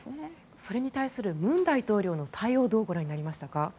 それに対する文大統領の対応をどうご覧になりましたか？